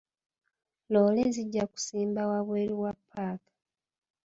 Loole zijja kusimba wabweru wa ppaaka.